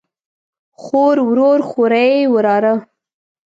خور، ورور، خوریئ ،وراره